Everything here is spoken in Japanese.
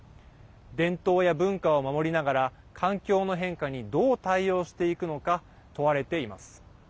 伝統や文化を守りながら環境の変化にどう対応していくのか問われています。